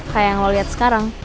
kayak yang lo lihat sekarang